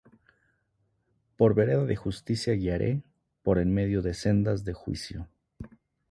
Por vereda de justicia guiaré, Por en medio de sendas de juicio;